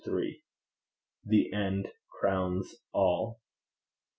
'THE END CROWNS ALL'.